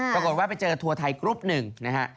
ปรากฏว่าไปเจอทัวร์ไทยกรุ๊ปหนึ่งนะฮะ